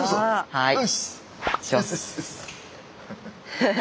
はい。